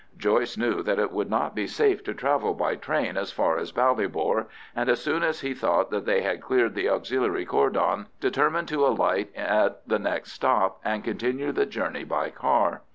Joyce knew that it would not be safe to travel by train as far as Ballybor, and as soon as he thought that they had cleared the Auxiliary cordon, determined to alight at the next stop and continue the journey by car.